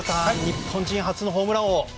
日本人初のホームラン王。